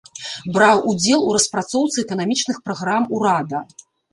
Браў удзел у распрацоўцы эканамічных праграм урада.